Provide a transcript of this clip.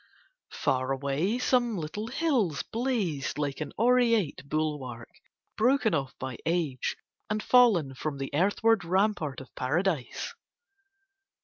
Far away some little hills blazed like an aureate bulwark broken off by age and fallen from the earthward rampart of Paradise.